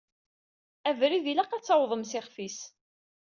Abrid ilaq ad tawḍem s ixef-is.